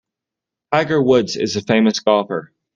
Tiger Woods is a famous golfer.